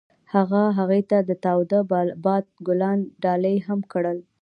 هغه هغې ته د تاوده باد ګلان ډالۍ هم کړل.